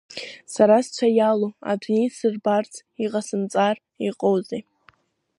Сара сцәа иалоу адунеи исырбарц, иҟасымҵара иҟоузеи!